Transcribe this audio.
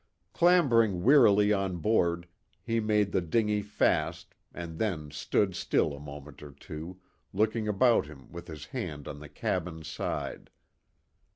Clambering wearily on board, he made the dinghy fast; and then stood still a moment or two, looking about him with his hand on the cabin side.